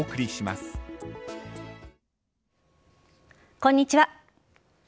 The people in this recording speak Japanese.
こんにちは。